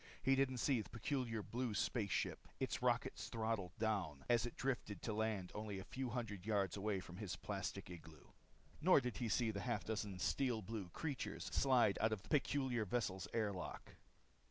He didn't see the peculiar blue space ship, its rockets throttled down, as it drifted to land only a few hundred yards away from his plastic igloo. Nor did he see the half dozen steel blue creatures slide out of the peculiar vessel's airlock.